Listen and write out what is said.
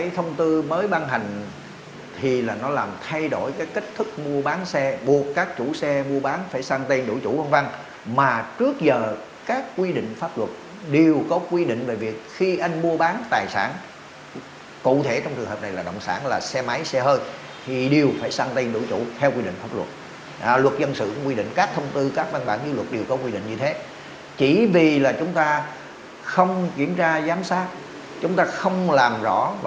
cái thông tư mới ban hành thì là nó làm thay đổi cái kích thức mua bán xe buộc các chủ xe mua bán phải sang tên đủ chủ văn văn mà trước giờ các quy định pháp luật đều có quy định về việc khi anh mua bán tài sản cụ thể trong trường hợp này là động sản là xe máy xe hơi thì đều phải sang tên đủ chủ theo quy định pháp luật luật dân sự quy định các thông tư các văn bản như luật đều có quy định như thế chỉ vì là chúng ta không kiểm tra giám sát chúng ta không làm rõ